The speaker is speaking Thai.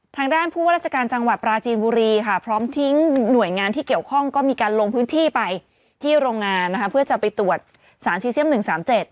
ทางด้านผู้ว่าราชการจังหวัดปราจีนบุรีค่ะพร้อมทิ้งหน่วยงานที่เกี่ยวข้องก็มีการลงพื้นที่ไปที่โรงงานนะคะเพื่อจะไปตรวจสารซีเซียมหนึ่งสามเจ็ด